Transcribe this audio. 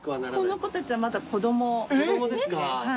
この子たちはまだ子供ですね。